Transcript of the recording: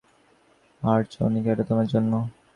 আর চৈনিকা, এটা তোমার জন্য।